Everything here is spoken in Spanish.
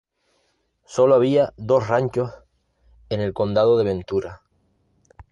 Solo había dos ranchos en el condado de ventura.